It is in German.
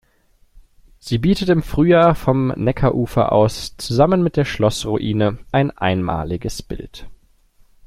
Sie bietet im Frühjahr vom Neckarufer aus zusammen mit der Schlossruine ein einmaliges Bild.